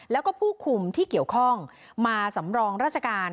แล้วก็ผู้คุมที่เกี่ยวข้องมาสำรองราชการ